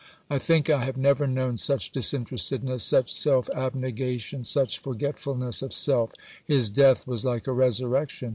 I think I have never known such disinterestedness, such self abnegation, such forgetfulness of self. His death was like a resurrection.